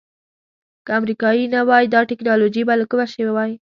که امریکا نه وای دا ټکنالوجي به له کومه شوې وای.